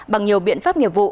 bằng nhiều biện pháp nghiệp vụ